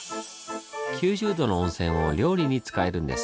９０度の温泉を料理に使えるんです。